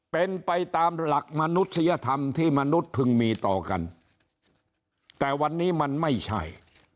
เป็นไปตามหลักมนุษยธรรมที่มนุษย์พึงมีต่อกันแต่วันนี้มันไม่ใช่